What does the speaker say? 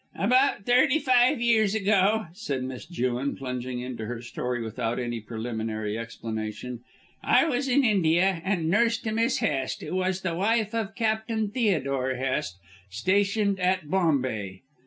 "About thirty five years ago," said Miss Jewin, plunging into her story without any preliminary explanation, "I was in India and nurse to Mrs. Hest, who was the wife of Captain Theodore Hest, stationed at Bombay.